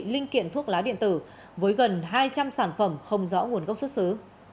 linh kiện thuốc lá điện tử với gần hai trăm linh sản phẩm không rõ nguồn gốc xuất xứ